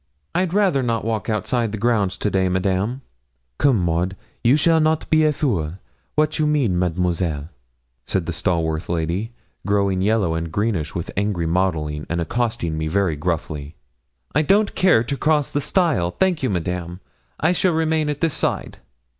'I'd rather not walk outside the grounds to day, Madame.' 'Come, Maud, you shall not be fool wat you mean, Mademoiselle?' said the stalworth lady, growing yellow and greenish with an angry mottling, and accosting me very gruffly. 'I don't care to cross the stile, thank you, Madame. I shall remain at this side.'